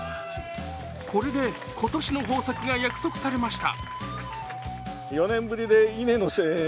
これで今年の豊作が約束されました。